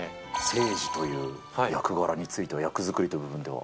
聖司という役柄については、役作りという意味では。